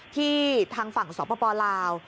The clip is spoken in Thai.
ที่ทางฝั่งสปลาว